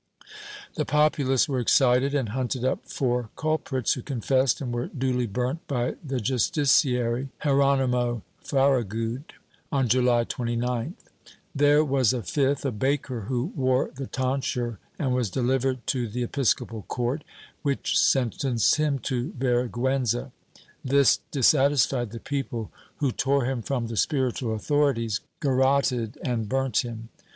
The populace were excited and hunted up four culprits, who confessed and were duly burnt by the justiciary, Hieronimo Farragud, on July 29th. There was a fifth, a baker who wore the tonsure and was delivered to the episcopal court, which sentenced him to vergiienza. This dis satisfied the people who tore him from the spiritual authorities, garroted and burnt him.